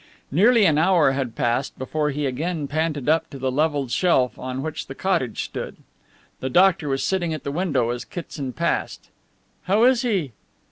Nearly an hour had passed before he again panted up to the levelled shelf on which the cottage stood. The doctor was sitting at the window as Kitson passed. "How is he?"